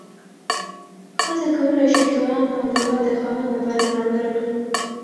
ښځه کولی شي طعام او دوا د خاوند لپاره برابره کړي.